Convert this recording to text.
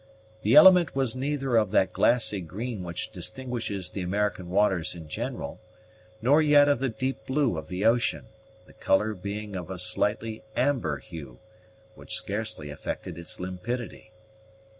The element was neither of that glassy green which distinguishes the American waters in general, nor yet of the deep blue of the ocean, the color being of a slightly amber hue, which scarcely affected its limpidity.